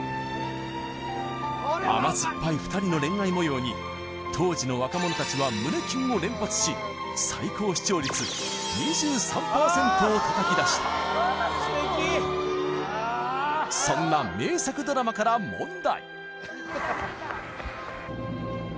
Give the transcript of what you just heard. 甘酸っぱい２人の恋愛模様に当時の若者達は胸キュンを連発し最高視聴率２３％をたたき出したそんな名作ドラマから問題